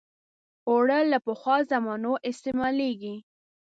اوړه له پخوا زمانو استعمالېږي